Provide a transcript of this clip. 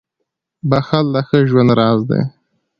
• بښل د ښه ژوند راز دی.